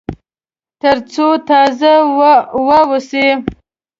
تر څو تازه واوسي.